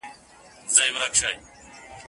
پیدا سوی په ازل کي شمله ور دی